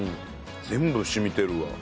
全部染みてるわ。